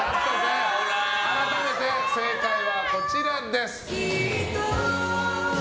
改めて、正解はこちらです。